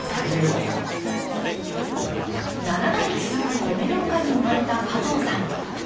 ７代続く米農家に生まれた加藤さん。